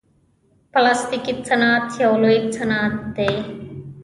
پلاستيکي صنعت یو لوی صنعت دی.